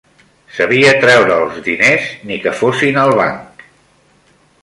Sabia treure'ls diners ni que fossin al banc